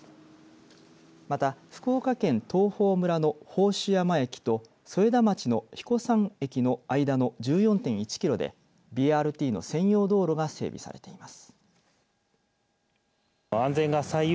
また福岡県東峰村の宝珠山駅と添田町の彦山駅の間の１４．１キロでＢＲＴの専用道路が整備されています。